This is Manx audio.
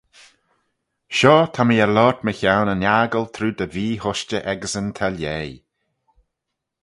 Shoh ta mee er loayrt mychione yn aggle trooid y vee-hushtey echeysyn ta lhaih.